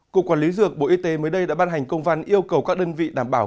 cục quản lý dược bộ y tế mới đây đã ban hành công văn yêu cầu các đơn vị đảm bảo